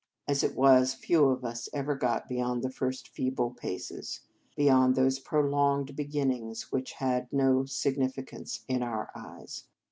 As it was, few of us ever got beyond the first feeble paces, beyond those prolonged beginnings which had no significance in our eyes.